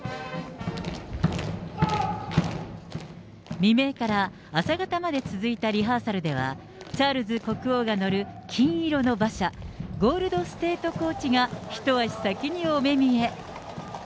未明から朝方まで続いたリハーサルでは、チャールズ国王が乗る金色の馬車、ゴールド・ステート・コーチが、一足先にお目見え。